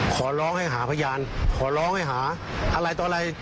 ขอร้องให้หาพยานขอร้องให้หาอะไรต่ออะไร